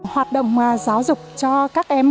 hoạt động giáo dục cho các em